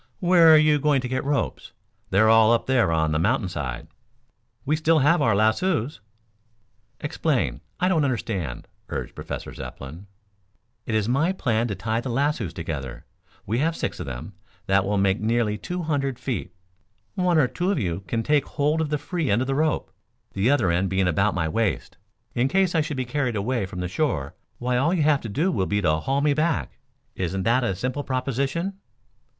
"Where are you going to get ropes? They're all up there on the mountainside." "We still have our lassoes." "Explain. I don't understand," urged Professor Zepplin. "It is my plan to tie the lassoes together. We have six of them. That will make nearly two hundred feet. One or two of you can take hold of the free end of the rope, the other end being about my waist. In case I should be carried away from the shore, why all you have to do will be to haul me back. Isn't that a simple proposition?"